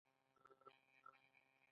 په دې نظام کې پیر او پلور سخت و.